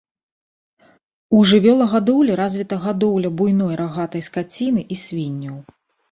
У жывёлагадоўлі развіта гадоўля буйной рагатай скаціны і свінняў.